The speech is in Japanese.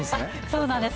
そうなんです。